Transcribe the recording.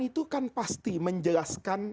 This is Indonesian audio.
ada yang laki ada yang perempuan